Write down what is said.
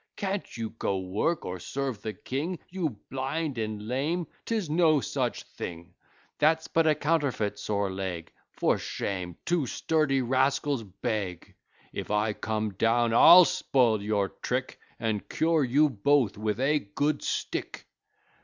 Can't you go work, or serve the King? You blind and lame! 'Tis no such thing. That's but a counterfeit sore leg! For shame! two sturdy rascals beg! If I come down, I'll spoil your trick, And cure you both with a good stick."